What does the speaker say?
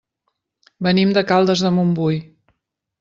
Venim de Caldes de Montbui.